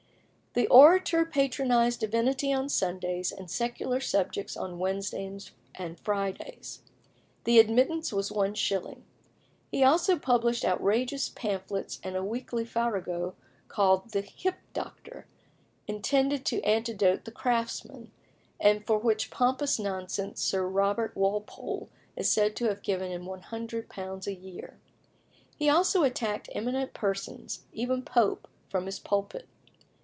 The Orator patronised divinity on Sundays, and secular subjects on Wednesdays and Fridays. The admittance was one shilling. He also published outrageous pamphlets and a weekly farrago called The Hyp Doctor, intended to antidote The Craftsman, and for which pompous nonsense Sir Robert Walpole is said to have given him £100 a year. He also attacked eminent persons, even Pope, from his pulpit.